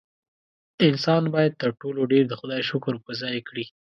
انسان باید تر ټولو ډېر د خدای شکر په ځای کړي.